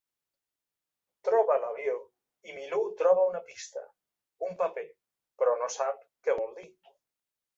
Troba l'avió, i Milú troba una pista, un paper, però no sap que vol dir.